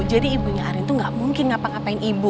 jadi ibunya arin tuh gak mungkin ngapa ngapain ibu